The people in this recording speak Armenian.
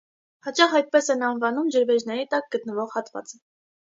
Հաճախ այդպես են անվանում ջրվեժների տակ գտնվող հատվածը։